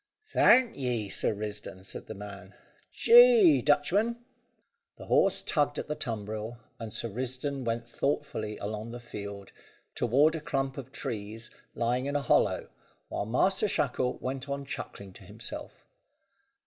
"Thank ye, Sir Risdon," said the man. "Jee, Dutchman!" The horse tugged at the tumbril, and Sir Risdon went thoughtfully along the field, toward a clump of trees lying in a hollow, while Master Shackle went on chuckling to himself.